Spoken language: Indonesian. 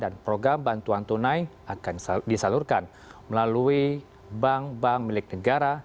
dan program bantuan tunai akan disalurkan melalui bank bank milik negara